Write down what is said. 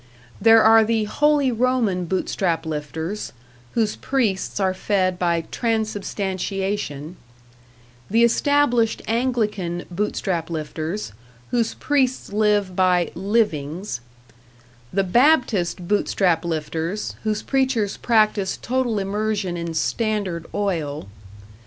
There are the Holy Roman Bootstrap lifters, whose priests are fed by Transubstantiation; the established Anglican Bootstrap lifters, whose priests live by "livings"; the Baptist Bootstrap lifters, whose preachers practice total immersion in Standard Oil.